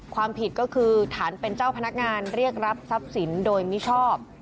ความผิดก็คือฐานเป็นเจ้าพนักงานเรียกรับทรัพย์สินโดยมิชอบ